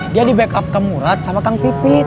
dia di backup ke murad sama kang pipit